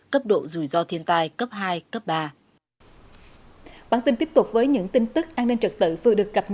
cấp độ rủi ro thiên tai cấp hai cấp ba